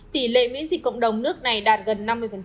tỷ lệ miễn dịch cộng đồng nước này đạt gần năm mươi